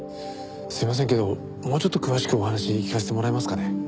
すいませんけどもうちょっと詳しくお話聞かせてもらえますかね？